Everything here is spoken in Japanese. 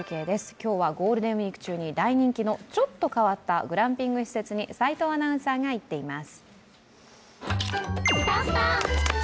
今日はゴールデンウイーク中に大人気のちょっと変化わったグランピング施設に齋藤アナウンサーが行っています。